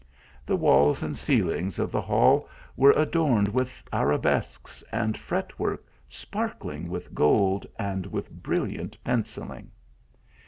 The walls and ceiling of the hall were adorned with arabesques and fret work sparkling with gold, and with brilliant pencilling.